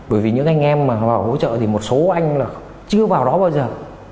bởi vì những anh em mà họ hỗ trợ thì một số anh là chưa vào đó bao giờ